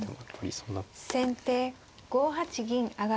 先手５八銀上。